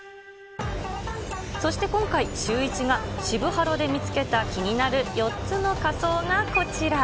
そして今回、シューイチが渋ハロで見つけた気になる４つの仮装がこちら。